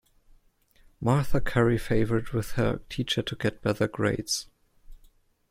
Marta curry favored with her teacher to get better grades.